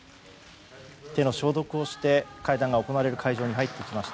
手の消毒をして、会談が行われる会場に入ってきました。